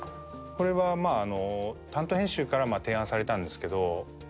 これはまああの担当編集から提案されたんですけど